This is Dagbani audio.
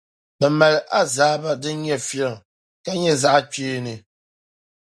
bɛ mali azaaba din nyɛ filiŋ, ka nyɛ zaɣikpeeni.